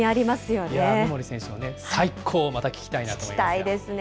三森選手の最高をまた聞きた聞きたいですね。